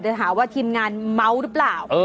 ถามว่าทีมงานเมาส์หรือเปล่า